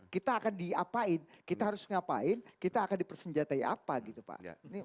kita akan diapain kita harus ngapain kita akan dipersenjatai apa gitu pak